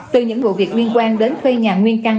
từ những vụ việc liên quan đến thuê nhà nguyên căn